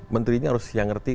menterinya harus yang ngerti